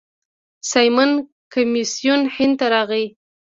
سایمن کمیسیون هند ته راغی.